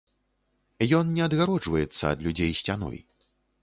Ён не адгароджваецца ад людзей сцяной.